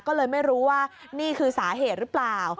ก็เลยไม่รู้ว่านี่คือสาเหตุหรือเปล่า